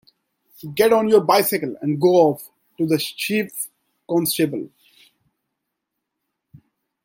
Get on your bicycle and go off to the Chief Constable.